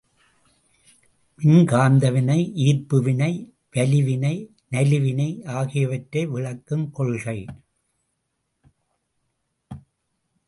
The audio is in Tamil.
மின்காந்தவினை, ஈர்ப்புவினை, வலிவினை, நலிவினை ஆகியவற்றை விளக்குங் கொள்கை.